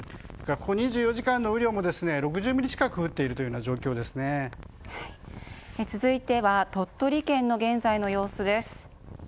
ここ２４時間の雨量も６０ミリ近く続いては鳥取県の現在の様子。